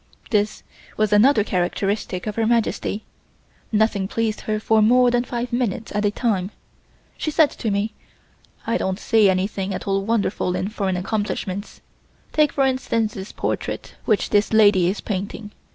This was another characteristic of Her Majesty; nothing pleased her for more than five minutes at a time. She said to me: "I don't see anything at all wonderful in foreign accomplishments. Take for instance this portrait which this lady is painting.